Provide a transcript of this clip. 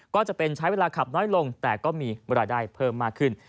ก็จะเป็นใช้เวลาขับน้อยลงแต่ก็มีเวลาได้เพิ่มมากขึ้น